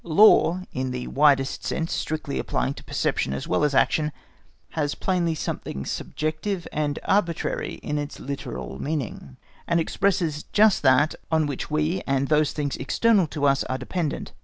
Law, in the widest sense strictly applying to perception as well as action, has plainly something subjective and arbitrary in its literal meaning, and expresses just that on which we and those things external to us are dependent.